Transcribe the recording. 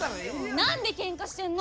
何でケンカしてんの？